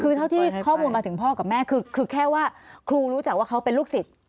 คือเท่าที่ข้อมูลมาถึงพ่อกับแม่คือแค่ว่าครูรู้จักว่าเขาเป็นลูกศิษย์